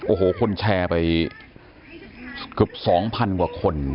โอ้โหคนแชร์ไปเกือบ๒๐๐๐กว่าคน